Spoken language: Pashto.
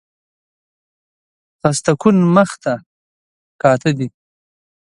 خسته کن مخ ته کاته دي